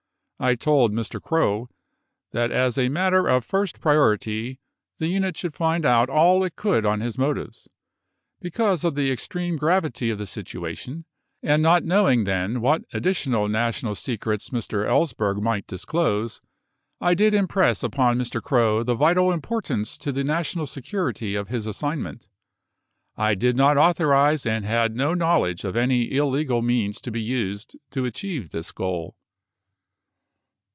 I told Mr. Krogh that as a matter of first priority, the unit should find out all it could on his motives. Because of the extreme gravity of the situa tion, and not knowing then what additional national secrets Mr. Ellsberg might disclose, I did impress upon Mr. Krogh the vital importance to the national security of his assign ment. I did not authorize and had no knowledge of any illegal means to be used to achieve this goal.